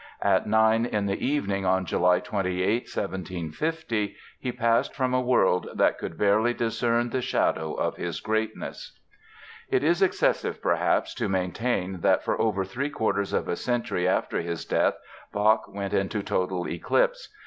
At nine in the evening on July 28, 1750, he passed from a world that could barely discern the shadow of his greatness. It is excessive, perhaps, to maintain that for over three quarters of a century after his death Bach went into total eclipse.